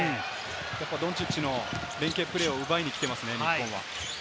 ドンチッチの連係プレーを奪いに来ていますね。